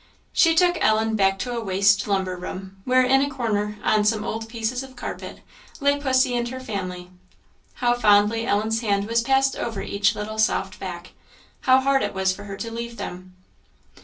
She took Ellen back to a waste lumber room, where, in a corner, on some old pieces of carpet, lay pussy and her family. How fondly Ellen's hand was passed over each little soft back! how hard it was for her to leave them!